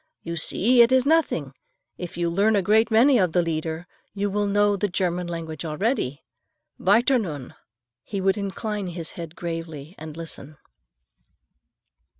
"You see it is nothing. If you learn a great many of the Lieder, you will know the German language already. Weiter, nun." He would incline his head gravely and listen.